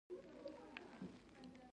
پیشو مې خپلې پنجې وهي.